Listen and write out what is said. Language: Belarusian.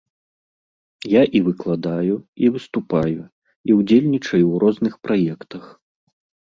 Я і выкладаю, і выступаю, і ўдзельнічаю ў розных праектах.